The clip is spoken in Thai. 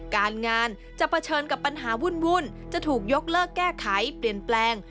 การงานจะเผชิญกับปัญหาวุ่นจะถูกยกเลิกแก้ไขเปลี่ยนแปลง